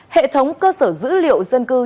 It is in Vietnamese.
hệ thống cơ sở dữ liệu dân cư